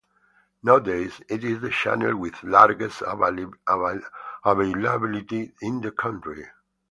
Nowadays, it is the channel with largest availability in the country.